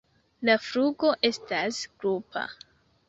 La flugo estas grupa.